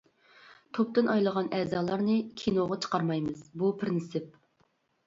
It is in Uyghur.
توپتىن ئايرىلغان ئەزالارنى كىنوغا چىقارمايمىز، بۇ پىرىنسىپ.